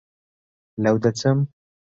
لەو دەچم؟